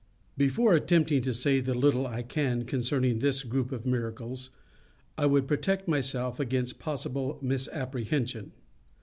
Before attempting to say the little I can concerning this group of miracles, I would protect myself against possible misapprehension.